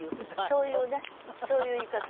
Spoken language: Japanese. そういうねそういう言い方。